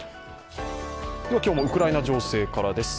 今日もウクライナ情勢からです。